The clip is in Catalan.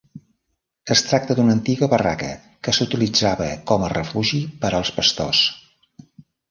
Es tracta d'una antiga barraca que s'utilitzava com a refugi per als pastors.